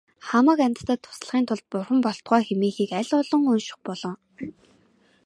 Хамаг амьтдад туслахын тулд бурхан болтугай хэмээхийг аль олон унших болой.